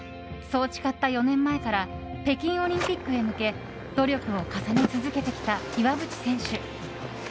そう誓った４年前から北京オリンピックへ向け努力を重ね続けてきた岩渕選手。